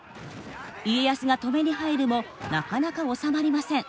家康が止めに入るもなかなか収まりません。